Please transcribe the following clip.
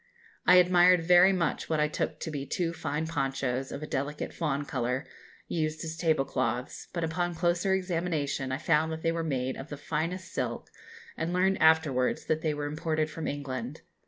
I admired very much what I took to be two fine ponchos, of a delicate fawn colour, used as tablecloths, but upon a closer examination I found that they were made of the finest silk, and learned afterwards that they were imported from England.